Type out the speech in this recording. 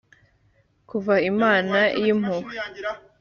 kv imana y impuhwe